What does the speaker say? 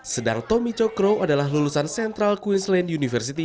sedang tommy cokro adalah lulusan central queensland university